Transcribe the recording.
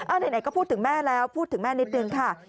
ไหนก็พูดถึงแม่แล้วพูดถึงแม่นิดนึงค่ะ